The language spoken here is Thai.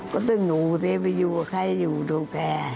ก็ต้องรู้สิไปอยู่ข้าอยู่ดูแก